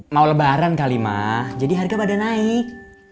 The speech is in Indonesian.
mau lebaran kali mah jadi harga pada naik